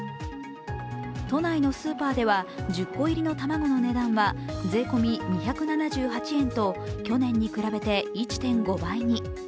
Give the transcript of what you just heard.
都内のスーパーでは１０個入りの卵の値段は税込み２７８円と去年に比べて１．５倍に。